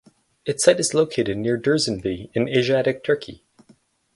Its site is located near Dursunbey in Asiatic Turkey.